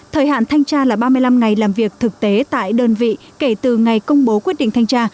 thời hạn thanh tra là ba mươi năm ngày làm việc thực tế tại đơn vị kể từ ngày công bố quyết định thanh tra